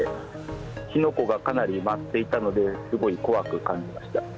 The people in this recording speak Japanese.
火の粉がかなり舞っていたので、すごい怖く感じました。